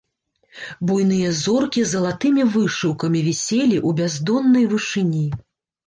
Буйныя зоркі залатымі вышыўкамі віселі ў бяздоннай вышыні.